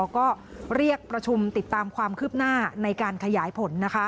ก็เรียกประชุมติดตามความคืบหน้าในการขยายผล